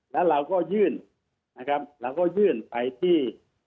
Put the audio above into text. แล้วเราก็ยื่นนะครับเราก็ยื่นไปที่